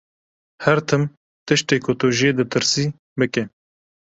Her tim tiştê ku tu jê ditirsî, bike.